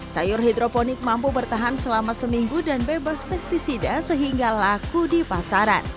sayur hidroponik mampu bertahan selama seminggu dan bebas pesticida sehingga laku di pasaran